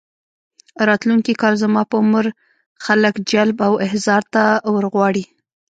راتلونکي کال زما په عمر خلک جلب او احضار ته ورغواړي.